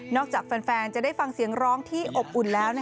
จากแฟนจะได้ฟังเสียงร้องที่อบอุ่นแล้ว